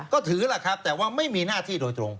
ก็ถือล่ะครับแต่ว่าไม่มีหน้าที่โดยตรง